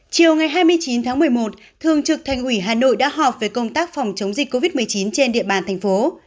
chiều ngày hai mươi chín tháng một mươi một thường trực thành ủy hà nội đã họp về công tác phòng chống dịch covid một mươi chín trên địa bàn thành phố